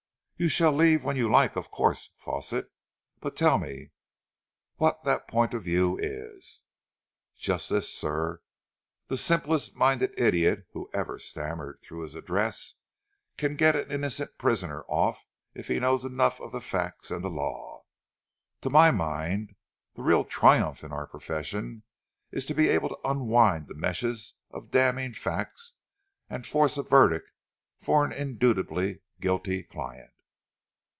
"You shall leave when you like, of course, Fawsitt, but tell me what that point of view is?" "Just this, sir. The simplest minded idiot who ever stammered through his address, can get an innocent prisoner off if he knows enough of the facts and the law. To my mind, the real triumph in our profession is to be able to unwind the meshes of damning facts and force a verdict for an indubitably guilty client."